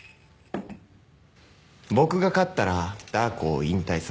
僕が勝ったらダー子を引退させる。